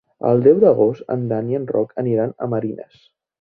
El deu d'agost en Dan i en Roc aniran a Marines.